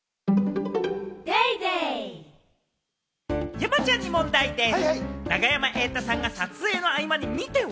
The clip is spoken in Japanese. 山ちゃんに問題でぃす！